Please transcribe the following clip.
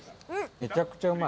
めちゃくちゃうまい。